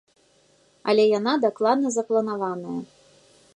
Але яна дакладна запланаваная.